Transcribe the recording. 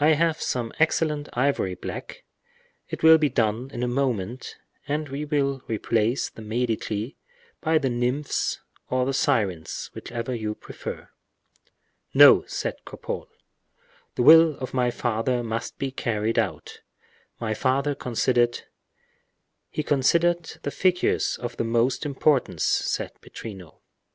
"I have some excellent ivory black; it will be done in a moment, and we will replace the Medici by the nymphs or the sirens, whichever you prefer." "No," said Cropole, "the will of my father must be carried out. My father considered—" "He considered the figures of the most importance," said Pittrino.